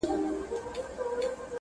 تر اصولو ورته مهمي وي